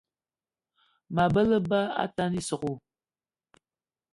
Mabe á lebá atane ísogò